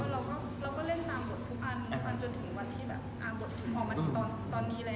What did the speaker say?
เราก็เล่นตามบททุกอันจนถึงวันที่แบบบทออกมาถึงตอนนี้เลย